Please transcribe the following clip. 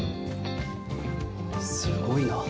すごいな。